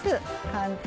簡単！